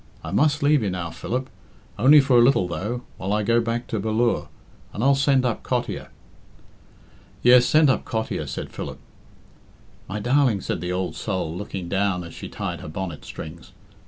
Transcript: I must leave you now, Philip. Only for a little, though, while I go back to Bal lure, and I'll send up Cottier." "Yes, send up Cottier," said Philip. "My darling," said the old soul, looking down as she tied her bonnet strings.